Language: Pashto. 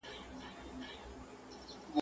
اوښه، هر څه دي بې هوښه.